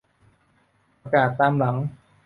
ประกาศตามหลัง